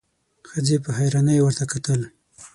ښځې په حيرانۍ ورته کتل: